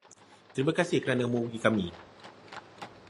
Terima kasih kerana menghubungi kami.